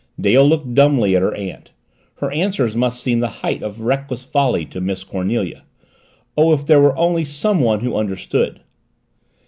Dale looked dumbly at her aunt. Her answers must seem the height of reckless folly to Miss Cornelia oh, if there were only someone who understood!